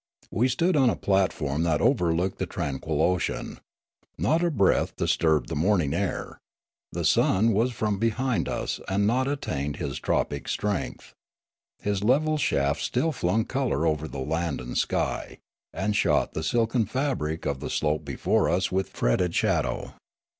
We stood on a platform that overlooked the tranquil ocean. Not a breath disturbed the morning air. The sun from behind us had not attained his tropic strength ; his level shafts still flung colour over the land and sky, and shot the silken fabric of the slope before us with fretted shadow.